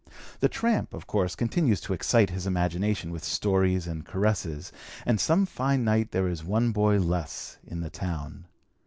The tramp, of course, continues to excite his imagination with stories and caresses, and some fine night there is one boy less in the town.